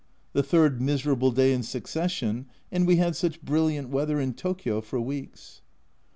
The third miserable day in succession, and we had such brilliant weather in Tokio for weeks